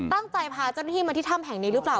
พาเจ้าหน้าที่มาที่ถ้ำแห่งนี้หรือเปล่า